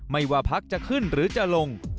ไม่ว่าพักจะขึ้นหรือจะลง